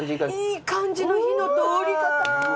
いい感じの火の通り方。